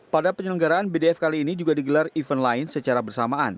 pada penyelenggaraan bdf kali ini juga digelar event lain secara bersamaan